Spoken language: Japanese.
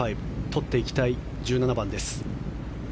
とっていきたい１７番です。